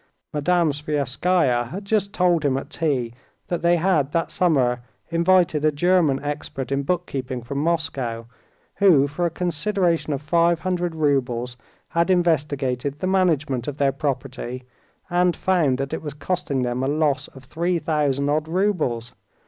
Madame Sviazhskaya had just told him at tea that they had that summer invited a German expert in bookkeeping from Moscow, who for a consideration of five hundred roubles had investigated the management of their property, and found that it was costing them a loss of three thousand odd roubles.